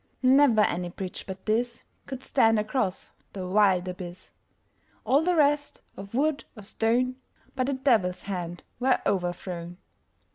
Never any bridge but thisCould stand across the wild abyss; All the rest, of wood or stone, By the Devil's hand were overthrown.